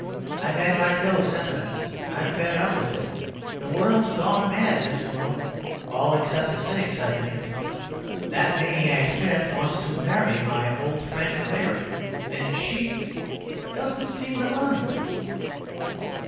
I've had my fill of sentiment—I'm fed up with it. The world's gone mad, Mr. Moon—all except the cynics, I think. That maniac Smith wants to marry my old friend Mary, and she— and she—doesn't seem to mind."